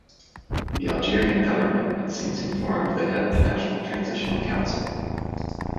The Algerian government had since informed the head of the National Transitional Council.